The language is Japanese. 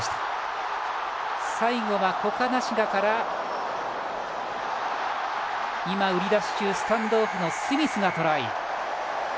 最後はコカナシガから今、売り出し中スタンドオフのスミスがトライ。